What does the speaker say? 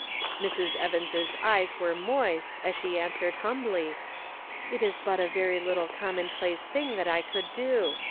"Mrs. Evans' eyes were moist as she an swered humbly :" It was but a very little commonplace thing that I could do.